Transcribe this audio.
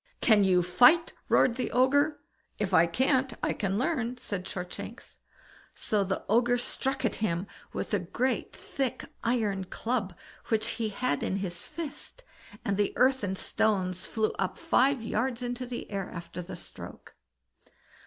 "Can you fight?" roared the Ogre. "If I can't, I can learn", said Shortshanks. So the Ogre struck at him with a great thick iron club which he had in his fist, and the earth and stones flew up five yards into the air after the stroke.